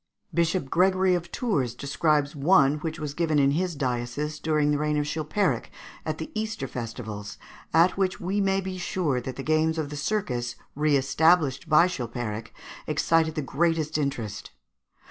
Bishop Gregory of Tours describes one which was given in his diocese during the reign of Chilpéric, at the Easter festivals, at which we may be sure that the games of the circus, re established by Chilpéric, excited the greatest interest.